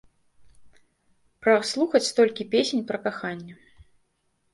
Праслухаць столькі песень пра каханне.